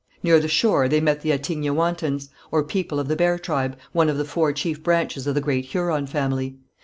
Near the shore they met the Attignaouantans, or people of the bear tribe, one of the four chief branches of the great Huron family.